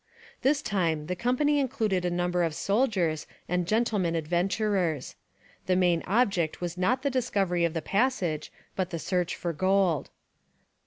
This time the company included a number of soldiers and gentlemen adventurers. The main object was not the discovery of the passage but the search for gold.